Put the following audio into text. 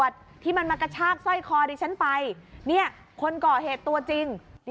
จับจับจับจับจับจับ